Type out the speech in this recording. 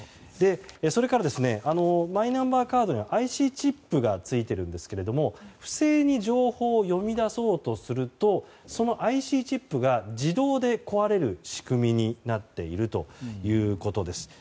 それからマイナンバーカードにはＩＣチップがついているんですけれども不正に情報を読み出そうとするとそのＩＣチップが自動で壊れる仕組みになっているということです。